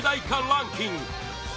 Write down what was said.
ランキング